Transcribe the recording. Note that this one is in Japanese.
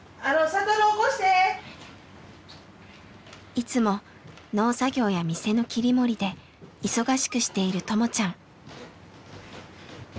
いつも農作業や店の切り盛りで忙しくしているともちゃん。